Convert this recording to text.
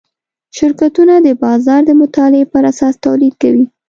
شرکتونه د بازار د مطالعې پراساس تولید کوي.